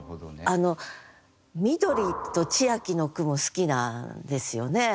あの「みどり」と「千秋」の句も好きなんですよね。